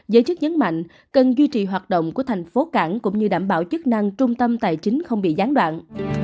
giới chức nhấn mạnh cần duy trì hoạt động của thành phố cảng cũng như đảm bảo chức năng trung tâm tài chính không bị gián đoạn